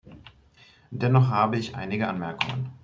Dennoch habe ich einige Anmerkungen.